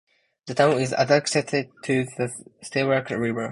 The town is adjacent to the Stewart River.